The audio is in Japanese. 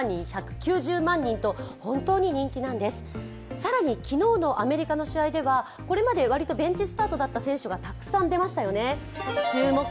更に昨日のアメリカの試合ではこれまで割とベンチスタートだった選手がたくさん出ましたよね。